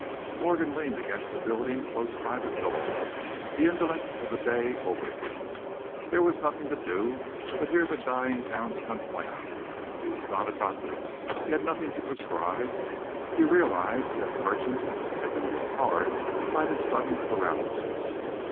Morgan leaned against the building close by the door, the indolence of the day over him. There was nothing to do but hear the dying town's complaint. He was not a doctor; he had nothing to prescribe. He realized that the merchants had been hit hard by this sudden paralysis.